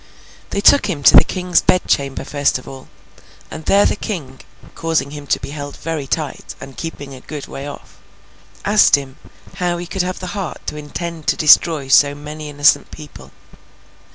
They took him to the King's bed chamber first of all, and there the King (causing him to be held very tight, and keeping a good way off), asked him how he could have the heart to intend to destroy so many innocent people?